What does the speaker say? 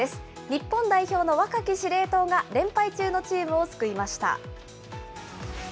日本代表の若き司令塔が、連敗中のチームを救いました。